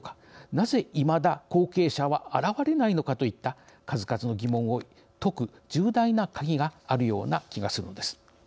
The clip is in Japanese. なぜいまだ後継者は現れないのかといった数々の疑問を解く重大な鍵があるような気がするのです。